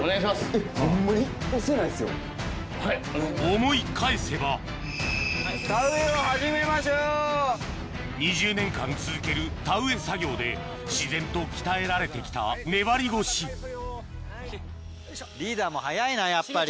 思い返せば・田植えを始めましょう・２０年間続ける田植え作業で自然と鍛えられて来た粘り腰リーダーも早いなやっぱり。